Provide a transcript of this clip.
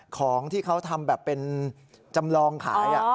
ของที่เขาทำแบบเป็นจำลองขาย